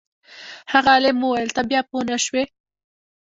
هغه عالم وویل ته بیا پوه نه شوې.